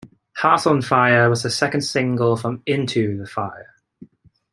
"Hearts on Fire" was the second single from "Into the Fire".